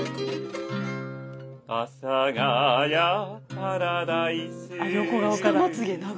「阿佐ヶ谷パラダイス」